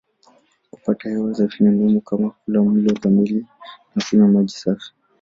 Kupata hewa safi ni muhimu kama kula mlo kamili na kunywa maji safi.